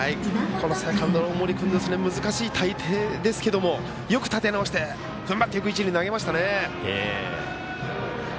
セカンドの大森君難しい体勢ですがよく立て直してふんばってよく一塁に投げましたね。